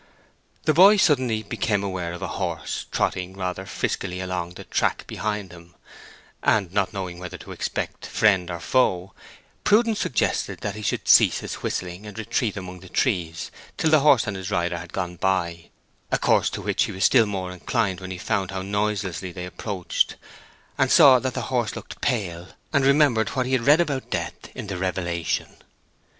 The boy suddenly became aware of a horse trotting rather friskily along the track behind him, and not knowing whether to expect friend or foe, prudence suggested that he should cease his whistling and retreat among the trees till the horse and his rider had gone by; a course to which he was still more inclined when he found how noiselessly they approached, and saw that the horse looked pale, and remembered what he had read about Death in the Revelation.